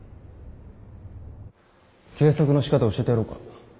計測のしかた教えてやろうか？